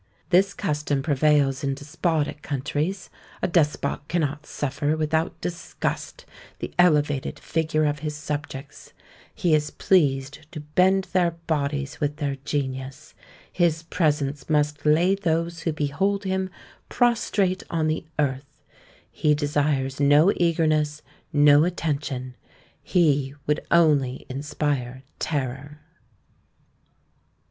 This custom prevails in despotic countries; a despot cannot suffer without disgust the elevated figure of his subjects; he is pleased to bend their bodies with their genius; his presence must lay those who behold him prostrate on the earth; he desires no eagerness, no attention; he would only inspire terror.